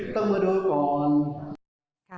ต้องมาดูก่อน